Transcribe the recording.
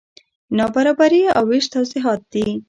نابرابري او وېش توضیحات دي.